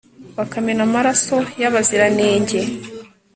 bakamena amaraso y'abaziranenge